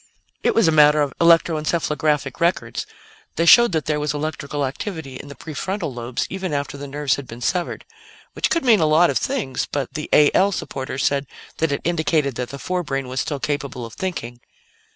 "It was a matter of electro encephalographic records. They showed that there was electrical activity in the prefrontal lobes even after the nerves had been severed, which could mean a lot of things; but the A L supporters said that it indicated that the forebrain was still capable of thinking."